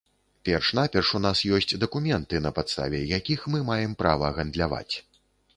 Перш-наперш у нас ёсць дакументы, на падставе якіх мы маем права гандляваць!